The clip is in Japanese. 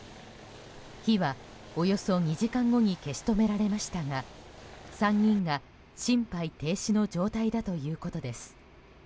火はおよそ２時間後に消し止められましたが３人が心肺停止の状態だということです。